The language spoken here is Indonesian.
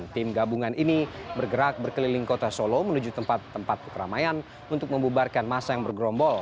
tim gabungan ini bergerak berkeliling kota solo menuju tempat tempat keramaian untuk membubarkan masa yang bergerombol